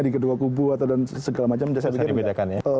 di kedua kubu atau sebagainya